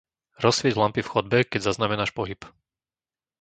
Rozsvieť lampy v chodbe, keď zaznamenáš pohyb.